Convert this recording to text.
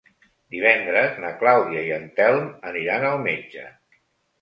Divendres na Clàudia i en Telm aniran al metge.